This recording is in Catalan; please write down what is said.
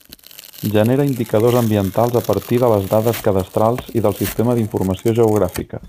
Genera indicadors ambientals a partir de les dades cadastrals i del sistema d'informació geogràfica.